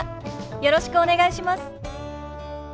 よろしくお願いします。